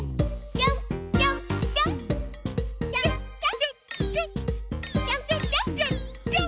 ぴょんぴょんぴょん！